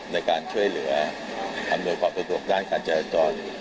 ในการช่วยเหลืออำนวยครอบความปรุงทั่วของทางคารใจรัตร